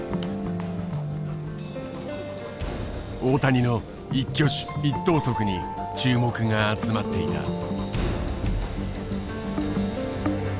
大谷の一挙手一投足に注目が集まっていた。